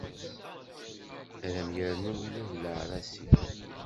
Ad am-yernu ula d leɛrasi.